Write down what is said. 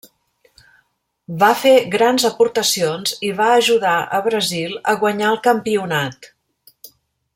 Va fer grans aportacions i va a ajudar a Brasil a guanyar el campionat.